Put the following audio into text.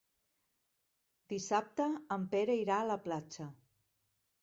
Dissabte en Pere irà a la platja.